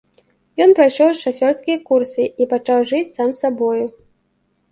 Ён прайшоў шафёрскія курсы і пачаў жыць сам сабою.